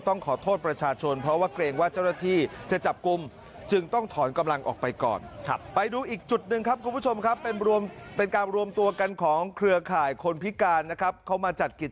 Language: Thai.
ต้องขอโทษประชาชนเพราะว่าเกรงว่าเจ้าหน้าที่จะจับกุม